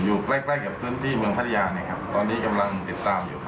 อยู่ใกล้กับพื้นที่เมืองพัทยาตอนนี้กำลังติดตามอยู่